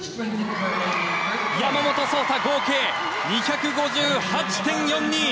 山本草太、合計２５８．４２。